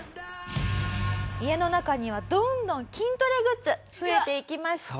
家の中にはどんどん筋トレグッズ増えていきまして。